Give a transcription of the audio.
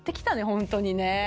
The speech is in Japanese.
ホントにね。